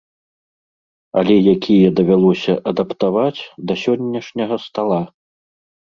Але якія давялося адаптаваць да сённяшняга стала.